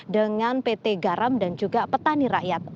dengan pt garam dan juga petani rakyat